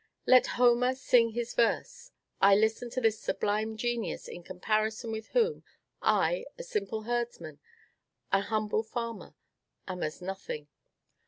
Let Homer sing his verse. I listen to this sublime genius in comparison with whom I, a simple herdsman, an humble farmer, am as nothing.